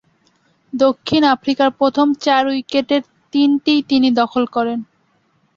দক্ষিণ আফ্রিকার প্রথম চার উইকেটের তিনটিই তিনি দখল করেন।